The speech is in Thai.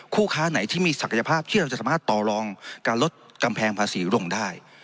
คู่ค้าไหนที่มีศักยภาพที่เราจะสามารถต่อลองการลดกำแพงภาษีลงได้